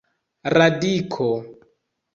radiko